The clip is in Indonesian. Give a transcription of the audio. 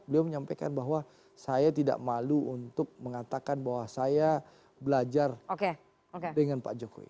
beliau menyampaikan bahwa saya tidak malu untuk mengatakan bahwa saya belajar dengan pak jokowi